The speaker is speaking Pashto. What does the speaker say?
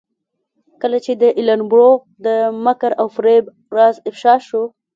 کله چې د ایلن برو د مکر او فریب راز افشا شو.